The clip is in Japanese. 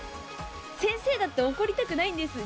先生だって怒りたくないんです。